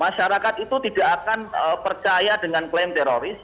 masyarakat itu tidak akan percaya dengan klaim teroris